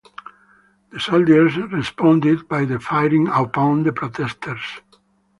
The soldiers responded by firing upon the protesters.